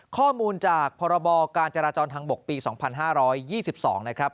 ข้อมูลจากพรบการจราจรทางบกปี๒๕๒๒นะครับ